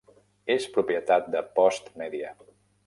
És propietat de Postmedia.